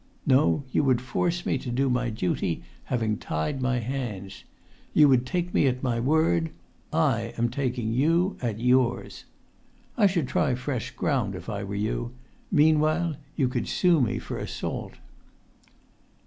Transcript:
No; you would force me to do my duty, having tied my hands! You would take me at my word. I am taking you at yours. I[Pg 124] should try fresh ground, if I were you; meanwhile you could sue me for assault."